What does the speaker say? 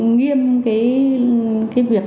nghiêm cái việc